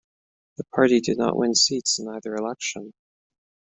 The party did not win seats in either election.